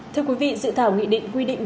thưa quý vị dự thảo nghị định quy định